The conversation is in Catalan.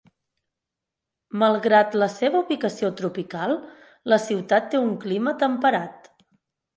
Malgrat la seva ubicació tropical, la ciutat té un clima temperat.